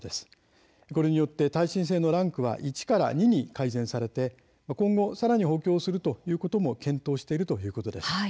これによって耐震性のランクはＩからＩＩに改善されて、今後さらに補強をすることも検討しているということです。